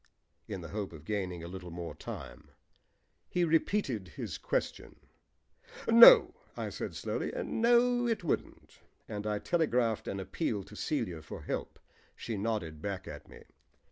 in the hope of gaining a little more time. He repeated his question. "No," I said slowly, "no, it wouldn't," and I telegraphed an appeal to Celia for help. She nodded back at me.